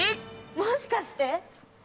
もしかして。